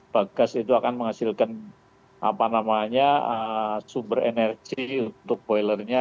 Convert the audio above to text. bagas itu akan menghasilkan sumber energi untuk poilernya